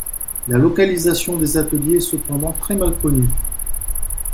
La localisation des ateliers est cependant très mal connue.